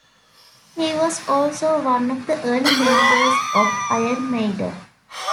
He was also one of the early members of Iron Maiden.